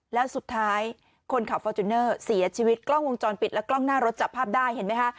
แล้วสุดท้ายคนขับฟอร์จูเนอร์เสียชีวิตกล้องวงจรปิดและกล้องหน้ารถจับภาพได้เห็นไหมคะ